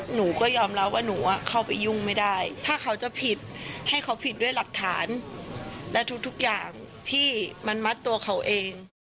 หนูก็ยอมรับว่าหนูเข้าไปยุ่งไม่ได้ถ้าเขาจะผิดให้เขาผิดด้วยหลักฐานและทุกอย่างที่มันมัดตัวเขาเอง